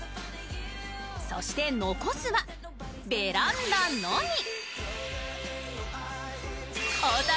そして残すは、ベランダのみ。